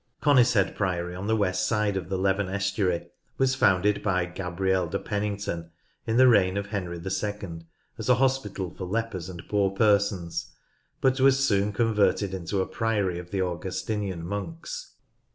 Conishead Priory, on the west side of the Leven estuary, was founded by Gabriel de Pennington in the reign of Henry II as a hospital for lepers and poor persons, but was soon converted into a priory of the Augustinian monks.